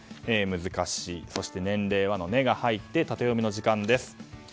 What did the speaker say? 難しい、そして年齢はの「ネ」が入ってタテヨミの時間です。